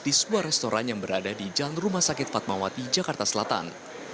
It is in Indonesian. di sebuah restoran yang berada di jalan rumah sakit fatmawati jakarta selatan